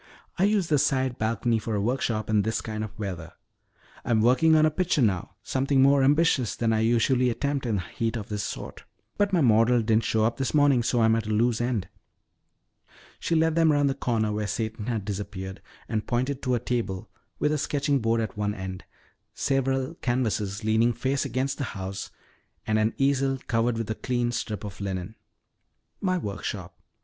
I use the side balcony for a workshop in this kind of weather. I'm working on a picture now, something more ambitious than I usually attempt in heat of this sort. But my model didn't show up this morning so I'm at a loose end." She led them around the corner where Satan had disappeared and pointed to a table with a sketching board at one end, several canvases leaning face against the house, and an easel covered with a clean strip of linen. "My workshop.